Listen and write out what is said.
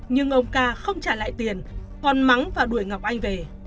nhưng ông ca không trả lại tiền hòn mắng và đuổi ngọc anh về